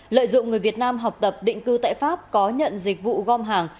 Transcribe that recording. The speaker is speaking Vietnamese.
lợi dụng người việt nam học tập định cư tại pháp có nhận dịch vụ gom hàng